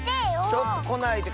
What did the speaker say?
ちょっとこないで。